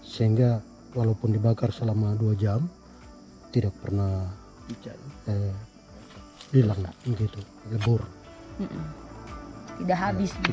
sehingga walaupun dibakar selama dua jam tidak pernah hilang tidak habis gitu ya